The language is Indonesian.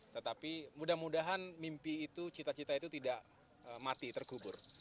tetapi mudah mudahan mimpi itu cita cita itu tidak mati terkubur